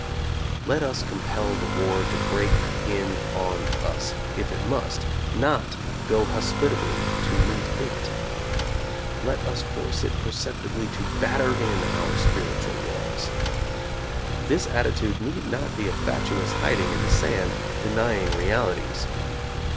Let us compel the war to break in on us, if it must, not go hospitably to meet it. Let us force it perceptibly to batter in our spiritual walls. This attitude need not be a fatuous hiding in the sand, denying realities.